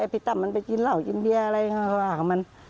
พี่ตั้มมันไปกินเหล่ากินเบียร์อะไรก็ว่ามัน